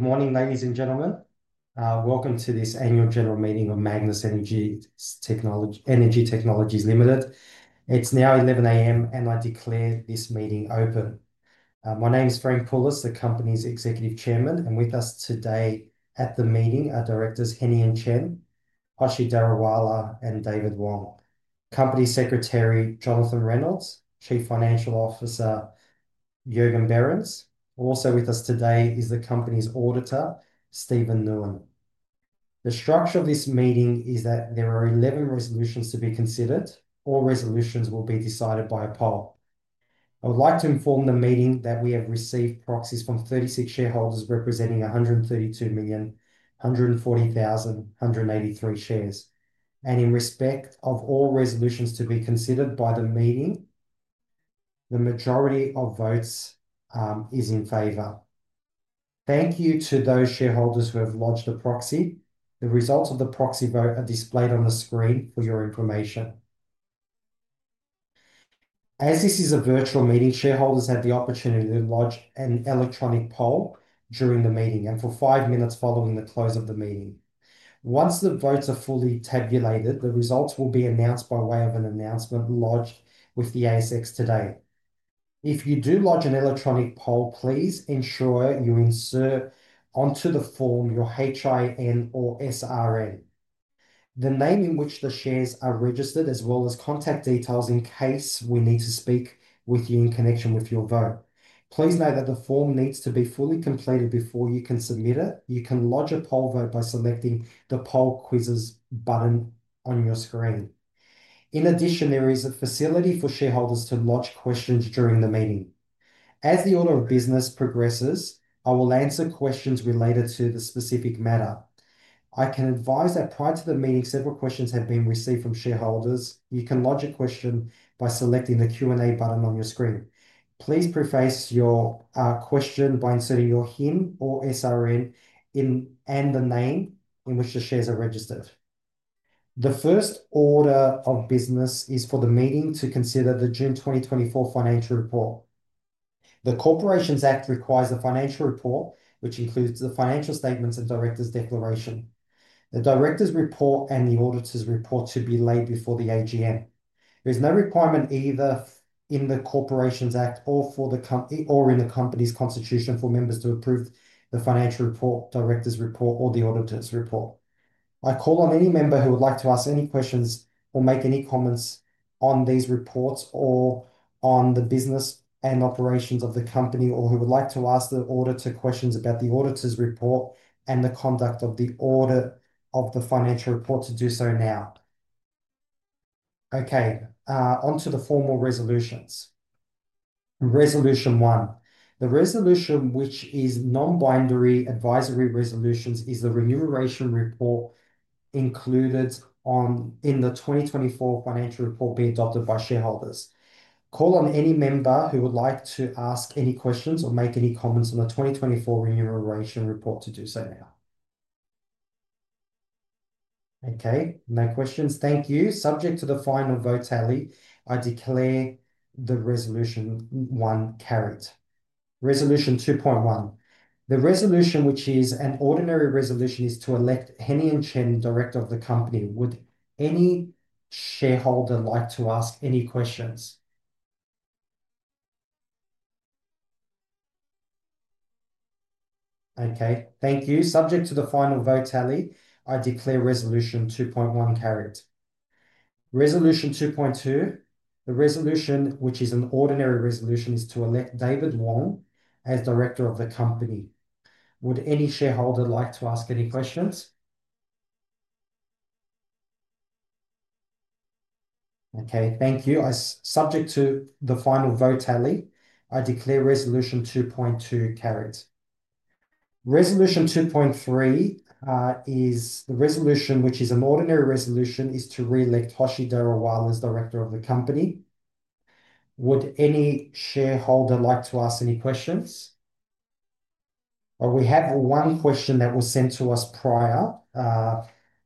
Good morning, ladies and gentlemen. Welcome to this annual general meeting of Magnis Energy Technologies Limited. It's now 11:00 A.M., and I declare this meeting open. My name is Frank Poullas, the company's Executive Chairman, and with us today at the meeting are Directors Henian Chen, Hoshi Daruwalla, and David Wang, Company Secretary Jonathan Reynolds, Chief Financial Officer Jurgen Behrens. Also with us today is the company's auditor, Steven Nguyen. The structure of this meeting is that there are 11 resolutions to be considered. All resolutions will be decided by a poll. I would like to inform the meeting that we have received proxies from 36 shareholders representing 132,140,183 shares. In respect of all resolutions to be considered by the meeting, the majority of votes is in favor. Thank you to those shareholders who have lodged a proxy. The results of the proxy vote are displayed on the screen for your information. As this is a virtual meeting, shareholders have the opportunity to lodge an electronic poll during the meeting and for five minutes following the close of the meeting. Once the votes are fully tabulated, the results will be announced by way of an announcement lodged with the ASX today. If you do lodge an electronic poll, please ensure you insert onto the form your HIN or SRN, the name in which the shares are registered, as well as contact details in case we need to speak with you in connection with your vote. Please note that the form needs to be fully completed before you can submit it. You can lodge a poll vote by selecting the poll quizzes button on your screen. In addition, there is a facility for shareholders to lodge questions during the meeting. As the order of business progresses, I will answer questions related to the specific matter. I can advise that prior to the meeting, several questions have been received from shareholders. You can lodge a question by selecting the Q&A button on your screen. Please preface your question by inserting your HIN or SRN and the name in which the shares are registered. The first order of business is for the meeting to consider the June 2024 financial report. The Corporations Act requires a financial report, which includes the financial statements and Director's declaration. The Director's report and the auditor's report should be laid before the AGM. There is no requirement either in the Corporations Act or for the company or in the company's constitution for members to approve the financial report, director's report, or the auditor's report. I call on any member who would like to ask any questions or make any comments on these reports or on the business and operations of the company, or who would like to ask the auditor questions about the auditor's report and the conduct of the audit of the financial report to do so now. Okay, on to the formal resolutions. Resolution one. The resolution, which is a non-binding advisory resolution, is the remuneration report included in the 2024 financial report be adopted by shareholders. I call on any member who would like to ask any questions or make any comments on the 2024 remuneration report to do so now. Okay, no questions. Thank you. Subject to the final vote tally, I declare resolution one carried. Resolution 2.1. The resolution, which is an ordinary resolution, is to elect Henian Chen, director of the company. Would any shareholder like to ask any questions? Okay, thank you. Subject to the final vote tally, I declare resolution 2.1 carried. Resolution 2.2. The resolution, which is an ordinary resolution, is to elect David Wang as director of the company. Would any shareholder like to ask any questions? Okay, thank you. Subject to the final vote tally, I declare resolution 2.2 carried. Resolution 2.3. The resolution, which is an ordinary resolution, is to re-elect Hoshi Daruwalla as director of the company. Would any shareholder like to ask any questions? We have one question that was sent to us prior,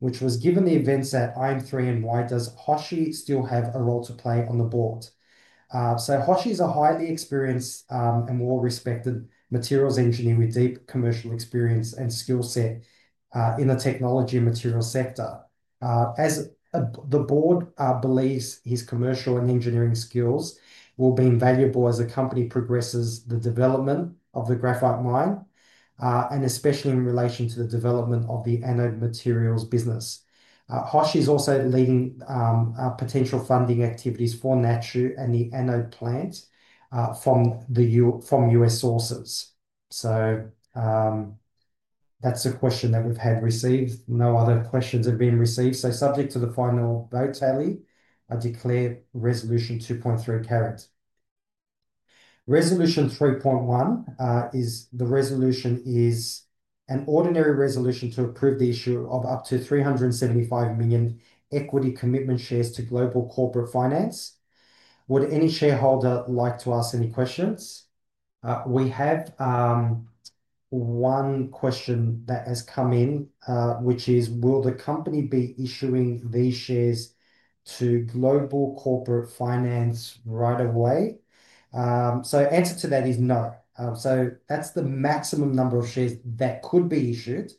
which was, "Given the events at Iron 3, why does Hoshi still have a role to play on the board?" Hoshi is a highly experienced and well-respected materials engineer with deep commercial experience and skill set in the technology and materials sector. The board believes his commercial and engineering skills will be invaluable as the company progresses the development of the graphite mine, and especially in relation to the development of the anode materials business. Hoshi is also leading potential funding activities for the Nachu and the anode plant from U.S. sources. That's a question that we've received. No other questions have been received. Subject to the final vote tally, I declare resolution 2.3 carried. Resolution 3.1 is the resolution, is an ordinary resolution to approve the issue of up to 375 million equity commitment shares to Global Corporate Finance. Would any shareholder like to ask any questions? We have one question that has come in, which is, "Will the company be issuing these shares to Global Corporate Finance right away?" The answer to that is no. That's the maximum number of shares that could be issued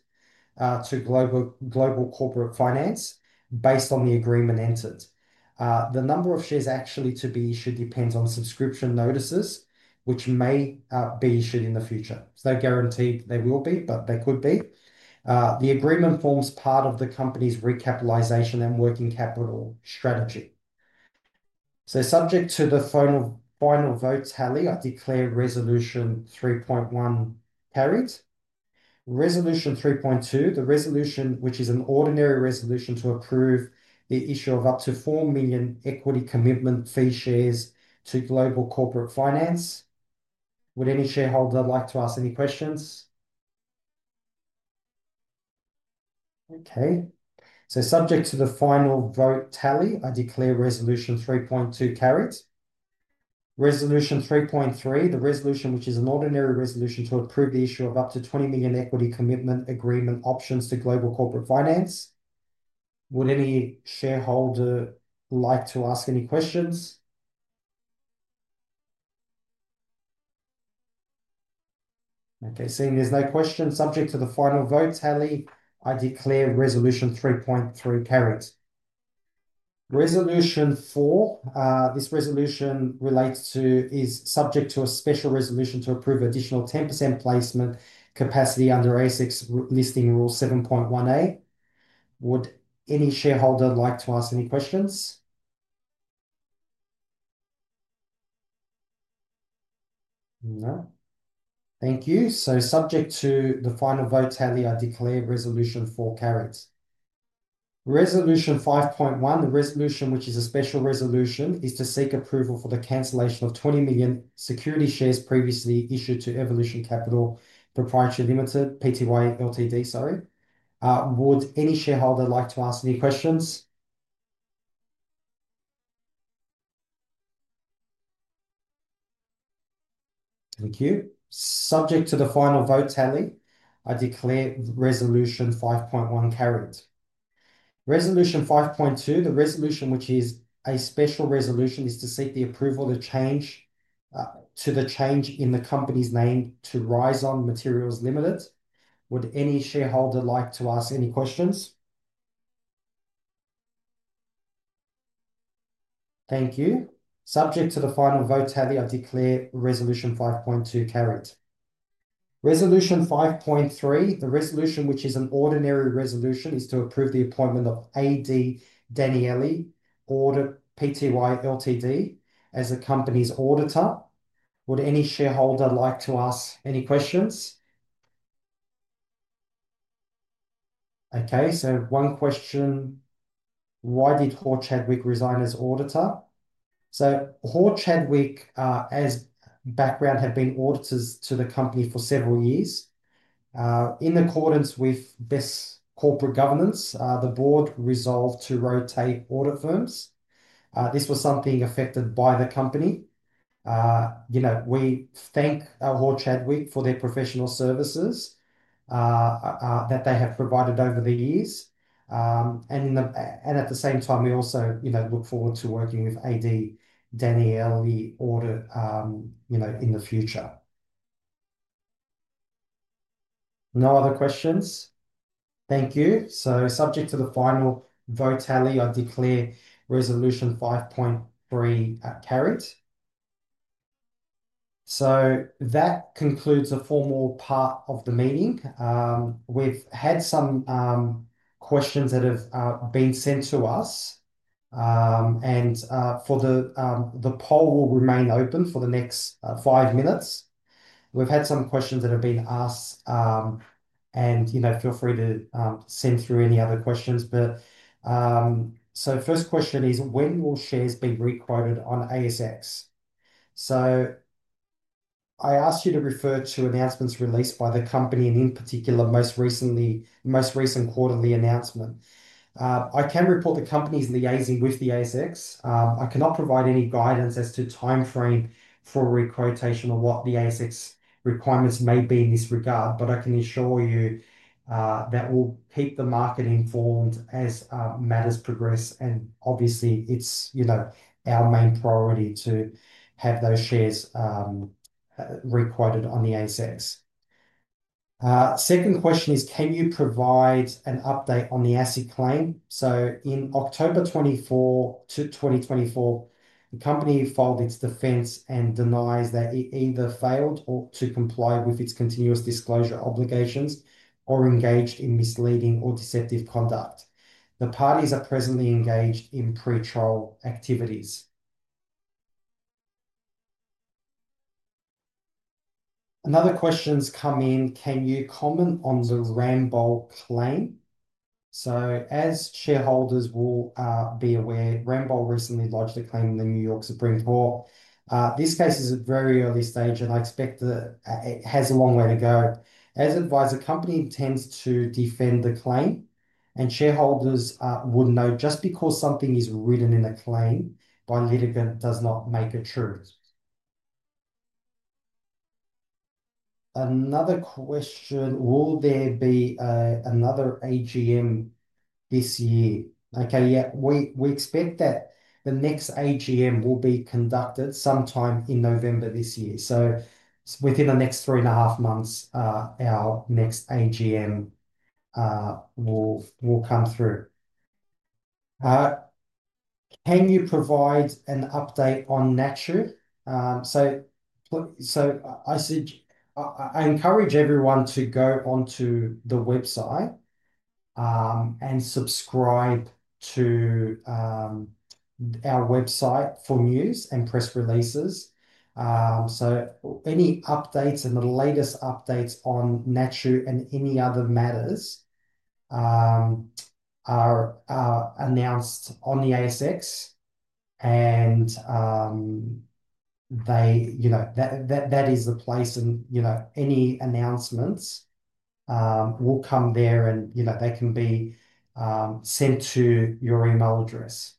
to Global Corporate Finance based on the agreement entered. The number of shares actually to be issued depends on subscription notices, which may be issued in the future. It's not guaranteed they will be, but they could be. The agreement forms part of the company's recapitalisation and working capital strategy. Subject to the final vote tally, I declare resolution 3.1 carried. Resolution 3.2, the resolution, which is an ordinary resolution to approve the issue of up to 4 million equity commitment fee shares to Global Corporate Finance. Would any shareholder like to ask any questions? Subject to the final vote tally, I declare resolution 3.2 carried. Resolution 3.3, the resolution, which is an ordinary resolution to approve the issue of up to 20 million equity commitment agreement options to Global Corporate Finance. Would any shareholder like to ask any questions? Seeing there's no questions, subject to the final vote tally, I declare resolution 3.3 carried. Resolution 4, this resolution is subject to a special resolution to approve additional 10% placement capacity under ASX Listing Rule 7.1A. Would any shareholder like to ask any questions? No, thank you. Subject to the final vote tally, I declare resolution 4 carried. Resolution 5.1, the resolution, which is a special resolution, is to seek approval for the cancellation of 20 million security shares previously issued to Evolution Capital Pty Ltd. Would any shareholder like to ask any questions? Thank you. Subject to the final vote tally, I declare resolution 5.1 carried. Resolution 5.2, the resolution, which is a special resolution, is to seek the approval to change the company's name to Ryzon Materials Limited. Would any shareholder like to ask any questions? Thank you. Subject to the final vote tally, I declare resolution 5.2 carried. Resolution 5.3, the resolution, which is an ordinary resolution, is to approve the appointment of A.D. Danieli Audit Pty Ltd. as the company's auditor. Would any shareholder like to ask any questions? Okay, so one question. "Why did Hall Chadwick resign as auditor?" Hall Chadwick, as background, had been auditors to the company for several years. In accordance with best corporate governance, the board resolved to rotate audit firms. This was something affected by the company. We thank Hall Chadwick for their professional services that they have provided over the years. At the same time, we also look forward to working with A.D. Danieli in the future. No other questions. Thank you. Subject to the final vote tally, I declare resolution 5.3 carried. That concludes the formal part of the meeting. We've had some questions that have been sent to us, and the poll will remain open for the next five minutes. We've had some questions that have been asked, and feel free to send through any other questions. First question is, "When will shares be requoted on ASX?" I ask you to refer to announcements released by the company, and in particular, the most recent quarterly announcement. I can report the company's liaising with the ASX. I cannot provide any guidance as to timeframe for requotation or what the ASX requirements may be in this regard, but I can assure you that we'll keep the market informed as matters progress. Obviously, it's our main priority to have those shares requoted on the ASX. Second question is, "Can you provide an update on the asset claim?" In October 24, 2024, the company filed its defense and denies that it either failed to comply with its continuous disclosure obligations or engaged in misleading or deceptive conduct. The parties are presently engaged in pretrial activities. Another question has come in. "Can you comment on the Ramboll claim?" As shareholders will be aware, Ramboll recently lodged a claim in the New York Supreme Court. This case is at a very early stage, and I expect it has a long way to go. As advised, the company intends to defend the claim, and shareholders would know just because something is written in a claim by a litigant does not make it true. Another question. "Will there be another AGM this year?" We expect that the next AGM will be conducted sometime in November this year. Within the next three and a half months, our next AGM will come through. "Can you provide an update on Nachu?" I encourage everyone to go onto the website and subscribe to our website for news and press releases. Any updates and the latest updates on the Nachu project and any other matters are announced on the ASX. That is the place, and any announcements will come there, and they can be sent to your email address.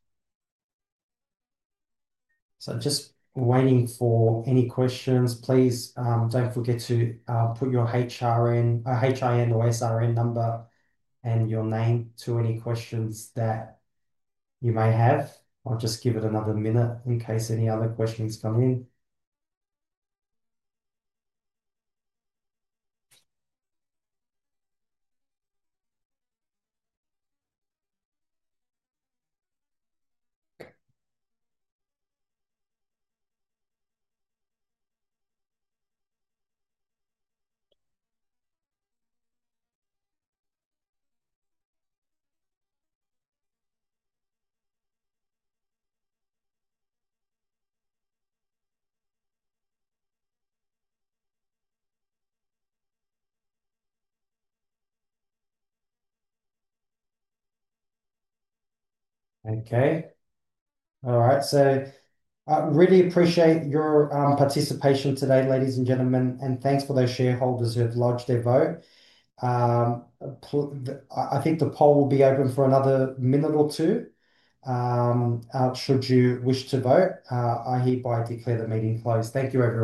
I'm just waiting for any questions. Please don't forget to put your HIN or SRN number and your name to any questions that you may have. I'll just give it another minute in case any other questions come in. All right. I really appreciate your participation today, ladies and gentlemen, and thanks for those shareholders who have lodged their vote. I think the poll will be open for another minute or two. Should you wish to vote, I hereby declare the meeting closed. Thank you, everyone.